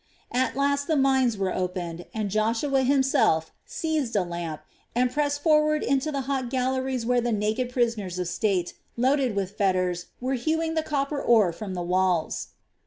At last the mines were opened and Joshua himself seized a lamp and pressed forward into the hot galleries where the naked prisoners of state, loaded with fetters, were hewing the copper ore from the walls.